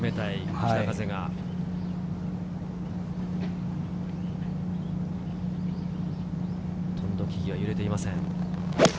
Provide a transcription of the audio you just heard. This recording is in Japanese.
ほとんど木々は揺れていません。